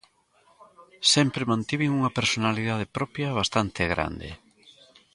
Sempre mantiven unha personalidade propia bastante grande.